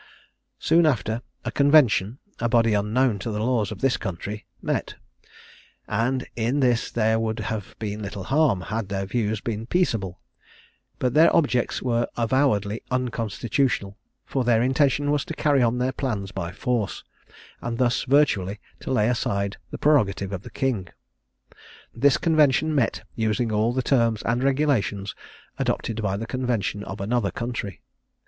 Soon after, a Convention, a body unknown to the laws of this country, met; and in this there would have been little harm, had their views been peaceable; but their objects were avowedly unconstitutional, for their intention was to carry on their plans by force, and thus virtually to lay aside the prerogative of the king. This convention met, using all the terms and regulations adopted by the convention of another country.